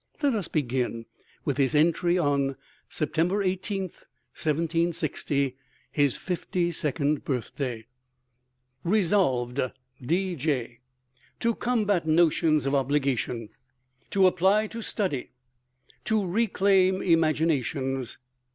Let us begin with his entry on September 18, 1760, his fifty second birthday: RESOLVED, D.j. To combat notions of obligation. To apply to study. To reclaim imaginations.